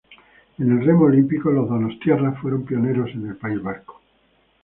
En el remo olímpico, los donostiarras fueron pioneros en el País Vasco.